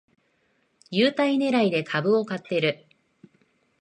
優待ねらいで株を買ってる